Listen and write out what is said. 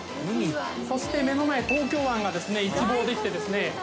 そして目の前東京湾がですね一望できてですね。